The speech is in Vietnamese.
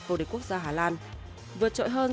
vô địch quốc gia hà lan vượt trội hơn